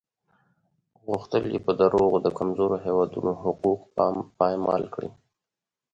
غوښتل یې په دروغو د کمزورو هېوادونو حقوق پایمال کړي.